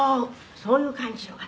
そういう感じの方？」